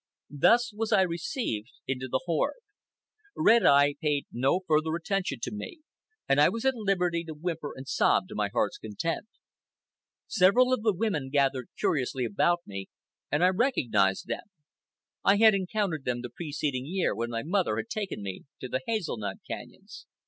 Thus was I received into the horde. Red Eye paid no further attention to me, and I was at liberty to whimper and sob to my heart's content. Several of the women gathered curiously about me, and I recognized them. I had encountered them the preceding year when my mother had taken me to the hazelnut canyons.